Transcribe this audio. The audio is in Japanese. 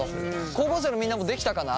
高校生のみんなもできたかな？